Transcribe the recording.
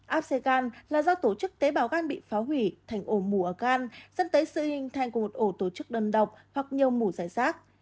áp xe gan là do tổ chức tế bào gan bị phá hủy thành ổ mùa gan dẫn tới sự hình thành của một ổ tổ chức đơn độc hoặc nhiều mù giải sát